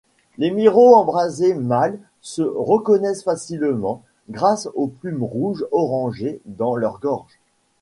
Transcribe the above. Les miros embrasés mâles se reconnaissent facilement grâce aux plumes rouge-orangées de leur gorge.